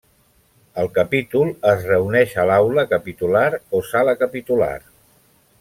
El capítol es reuneix a l'aula capitular o sala capitular.